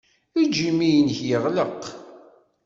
Ejj imi-nnek yeɣleq.